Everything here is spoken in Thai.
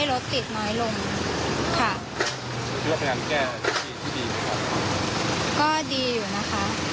ลงอุบัติติดน้อยเราเห็นซึ่งพบแชร์เจ้าสอนเข้ามาหรือเปล่า